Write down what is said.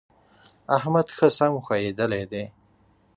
احمد ښه سم ښويېدلی دی.